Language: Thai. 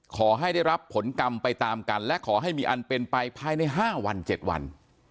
ขอให้ได้รับผลกรรมไปตามกันและขอให้มีอันเป็นไปภายใน๕วัน๗วัน